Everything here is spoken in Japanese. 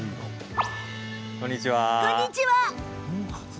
こんにちは。